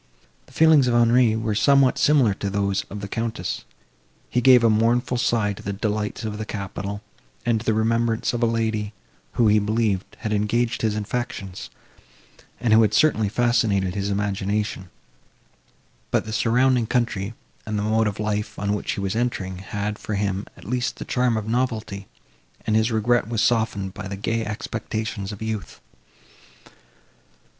The feelings of Henri were somewhat similar to those of the Countess; he gave a mournful sigh to the delights of the capital, and to the remembrance of a lady, who, he believed, had engaged his affections, and who had certainly fascinated his imagination; but the surrounding country, and the mode of life, on which he was entering, had, for him, at least, the charm of novelty, and his regret was softened by the gay expectations of youth.